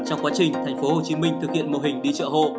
trong quá trình tp hcm thực hiện mô hình đi chợ hộ